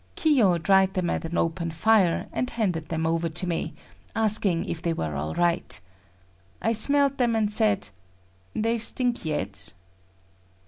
Kiyo dried them at an open fire and handed them over to me, asking if they were all right. I smelled them and said; "They stink yet."